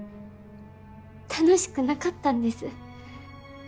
楽しくなかったんです。